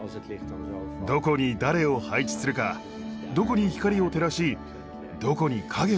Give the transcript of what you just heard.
どこに誰を配置するかどこに光を照らしどこに影を落とすか。